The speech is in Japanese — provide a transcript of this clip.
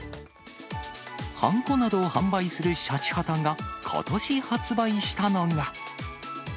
はんこなどを販売するシヤチハタがことし発売したのが。